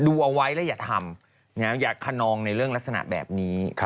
ดูเอาไว้แล้วอย่าทำอย่าขนองในเรื่องลักษณะแบบนี้